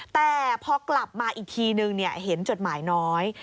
แต่พอกลับมาอีกทีนึงเห็นจดหมายน้อย